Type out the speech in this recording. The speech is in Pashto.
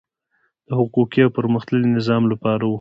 د حقوقي او پرمختللي نظام لپاره وو.